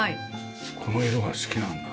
この色が好きなんだ。